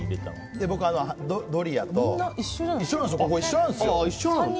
僕はドリアと一緒なんですよ。